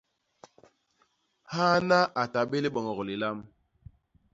Haana a ta bé liboñok lilam.